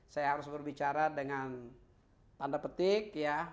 saya harus berbicara dengan tanda petik ya